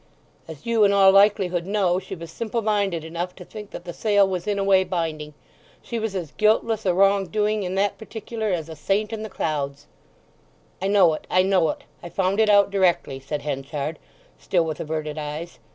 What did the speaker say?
"As you in all likelihood know, she was simple minded enough to think that the sale was in a way binding. She was as guiltless o' wrong doing in that particular as a saint in the clouds." "I know it, I know it. I found it out directly," said Henchard, still with averted eyes.